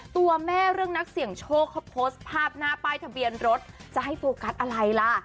ตัวแม่เรื่องนักเสี่ยงโชคเขาโพสต์ภาพหน้าป้ายทะเบียนรถจะให้โฟกัสอะไรล่ะ